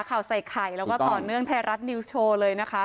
ข่าวใส่ไข่แล้วก็ต่อเนื่องไทยรัฐนิวส์โชว์เลยนะคะ